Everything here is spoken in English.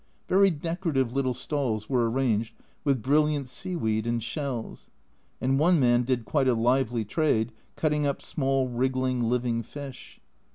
Very decorative little stalls were arranged with brilliant seaweed and shells, and one man did quite a lively trade cutting up small wriggling living fish.